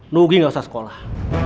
nugi gak usah sekolah